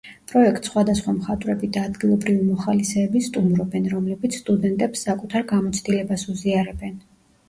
პროექტს სხვადასხვა მხატვრები და ადგილობრივი მოხალისეები სტუმრობენ, რომლებიც სტუდენტებს საკუთარ გამოცდილებას უზიარებენ.